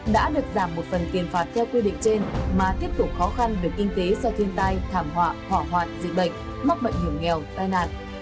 đã được giảm một phần tiền phạt theo quy định trên mà tiếp tục khó khăn về kinh tế do thiên tai thảm họa hỏa hoạn dịch bệnh mắc bệnh hiểm nghèo tai nạn